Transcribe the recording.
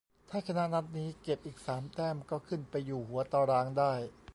ถ้าชนะนัดนี้ เก็บอีกสามแต้ม ก็ขึ้นไปอยู่หัวตารางได้